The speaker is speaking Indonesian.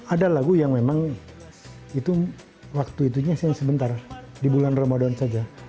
ada lagu yang memang waktu itu sebentar di bulan ramadan saja